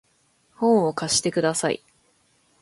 本を貸してください